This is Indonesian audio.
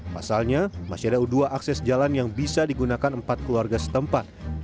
pasalnya masih ada dua akses jalan yang bisa digunakan empat keluarga setempat